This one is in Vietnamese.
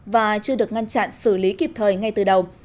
và chưa được ngăn chặn xử lý kịp thời ngay từ đầu